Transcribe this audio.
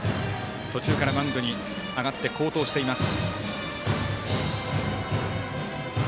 途中からマウンドに上がって好投しています。